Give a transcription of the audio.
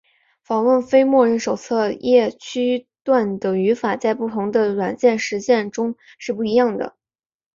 访问非默认手册页区段的语法在不同的软件实现中是不一样的。